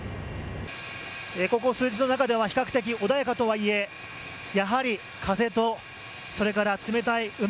ここ数日の中では比較的穏やかとはいえやはり風とそれから冷たい海